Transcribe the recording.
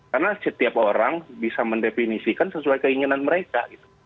karena setiap orang bisa mendefinisikan sesuai keinginan mereka